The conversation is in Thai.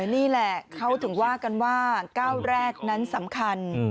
นี่แหละเขาถึงว่ากันว่าก้าวแรกนั้นสำคัญ